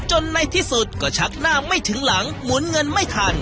ในที่สุดก็ชักหน้าไม่ถึงหลังหมุนเงินไม่ทัน